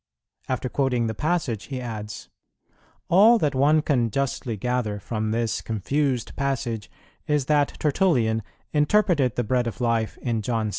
After quoting the passage, he adds, "All that one can justly gather from this confused passage is that Tertullian interpreted the bread of life in John vi.